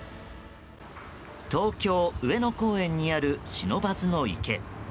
東京・上野公園にある不忍池。